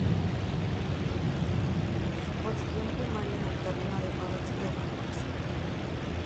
Su posición primaria en el terreno de juego ha sido como receptor.